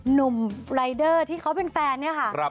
หนุ่มรายเดอร์ที่เขาเป็นแฟนเนี่ยค่ะ